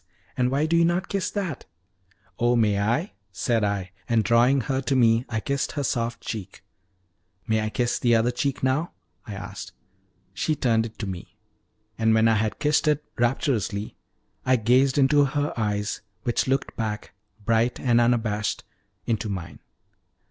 And why do you not kiss that?" "Oh, may I?" said I, and drawing her to me I kissed her soft cheek. "May I kiss the other cheek now?" I asked. She turned it to me, and when I had kissed it rapturously, I gazed into her eyes, which looked back, bright and unabashed, into mine.